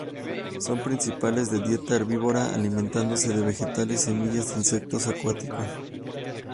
Son principalmente de dieta herbívora, alimentándose de vegetales, semillas, e insectos acuáticos.